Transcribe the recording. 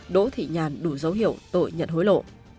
đỗ thị nhàn đủ dấu hiệu tội nhận hối lộ